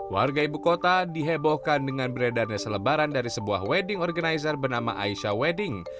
warga ibu kota dihebohkan dengan beredarnya selebaran dari sebuah wedding organizer bernama aisyah wedding